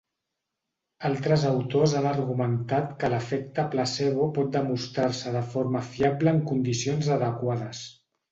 Altres autors han argumentat que l'efecte placebo pot demostrar-se de forma fiable en condicions adequades.